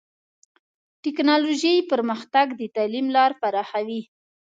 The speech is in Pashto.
ټکنالوژي پرمختګ د تعلیم لار پراخوي.